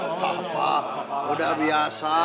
gapapa udah biasa